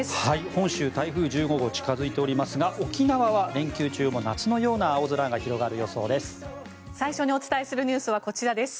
本州、台風１５号が近付いていますが沖縄は連休中も夏ような青空が広がる予想です。